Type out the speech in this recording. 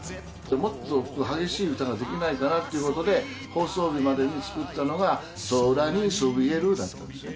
もっと激しい歌ができないかなということで、放送日までに作ったのが、空にそびえるだったんですよね。